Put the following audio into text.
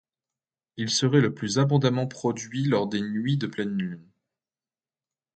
Il serait le plus abondamment produit lors des nuits de pleine lune.